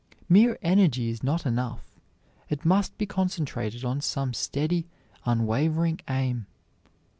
Mere energy is not enough; it must be concentrated on some steady, unwavering aim.